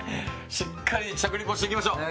しっかり食リポしていきましょう！